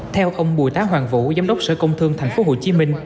theo ông bùi tá hoàng vũ giám đốc sở công thương tp hcm